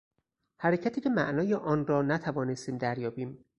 حرکتی که معنای آنرا نتوانستیم دریابیم